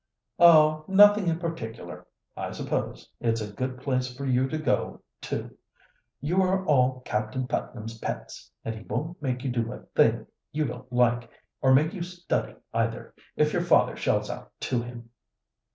"Oh! nothing in particular. I suppose it's a good place for you to go to. You are all Captain Putnam's pets, and he won't make you do a thing you don't like, or make you study either, if your father shells out to him."